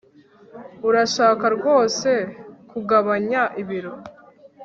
Urashaka rwose kugabanya ibiro